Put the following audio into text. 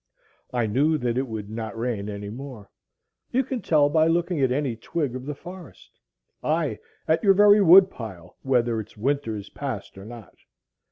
I knew that it would not rain any more. You may tell by looking at any twig of the forest, ay, at your very wood pile, whether its winter is past or not.